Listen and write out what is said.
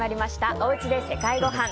おうちで世界ごはん。